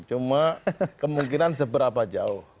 cuma kemungkinan seberapa jauh